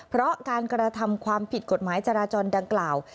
เพราะการกระทำความผิดกฎหมายจราจรดังกล่าว